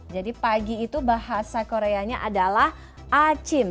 jadi pagi itu bahasa koreanya adalah achim